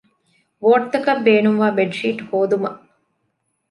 ވޯޑްތަކަށް ބޭނުންވާ ބެޑްޝީޓް ހޯދުމަށް